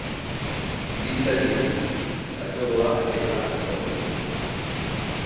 Bi zati ditu: katodoa eta anodoa.